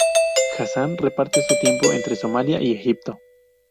Hassan reparte su tiempo entre Somalia y Egipto.